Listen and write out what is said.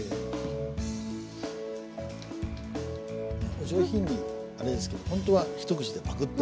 お上品にあれですけどほんとは一口でパクッと。